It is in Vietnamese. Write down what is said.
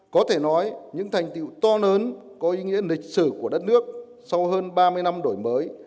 có thể nói những thành tiệu to lớn có ý nghĩa lịch sử của đất nước sau hơn ba mươi năm đổi mới